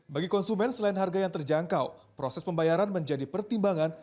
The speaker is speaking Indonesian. bagi konsumen selain harga yang terjangkau proses pembayaran menjadi pertimbangan